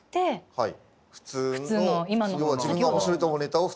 はい。